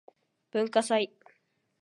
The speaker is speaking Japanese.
文化祭